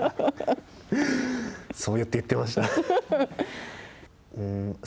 そうやって言ってましたって。